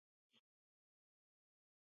ښارونه د خلکو له اعتقاداتو سره تړاو لري.